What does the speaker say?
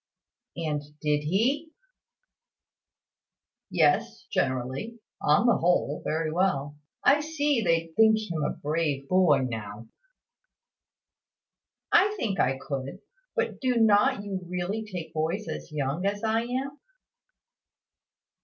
"And did he?" "Yes, generally. On the whole, very well. I see they think him a brave boy now." "I think I could. But do not you really take boys as young as I am?"